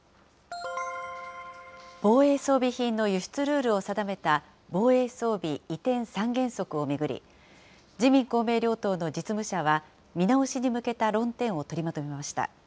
防衛装備品の輸出ルールを定めた防衛装備移転三原則を巡り、自民、公明両党の実務者は、見直しに向けた論点を取りまとめました。